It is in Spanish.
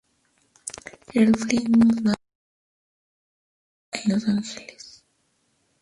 El film nos narra la vida criminal en Los Ángeles.